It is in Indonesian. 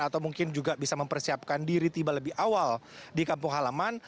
atau mungkin juga bisa mempersiapkan diri tiba lebih awal di kampung halaman